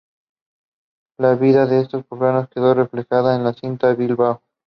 La vida en estos poblados quedó reflejada en la cinta "¿Bilbao?